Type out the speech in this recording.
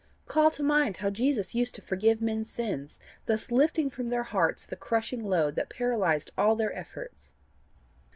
Call to mind how Jesus used to forgive men's sins, thus lifting from their hearts the crushing load that paralyzed all their efforts.